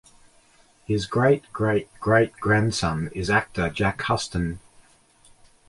His great-great-great-grandson is actor Jack Huston.